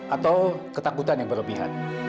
atau ketakutan yang berlebihan